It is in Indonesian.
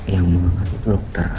yang menganggap itu dokter